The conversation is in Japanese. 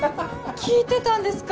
聞いてたんですか？